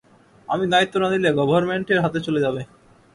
আমি দায়িত্ব না নিলে গভর্নমেন্টের হাতে চলে যাবে।